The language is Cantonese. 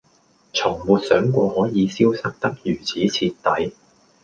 從沒想過可以消失得如此徹底